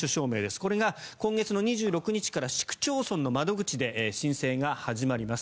これが今月２６日から市区町村の窓口で申請が始まります。